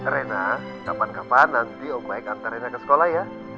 rena kapan kapan nanti omik antar rena ke sekolah ya